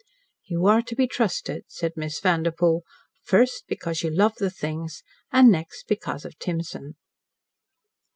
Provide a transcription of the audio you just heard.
"You are to be trusted," said Miss Vanderpoel, "first because you love the things and next because of Timson."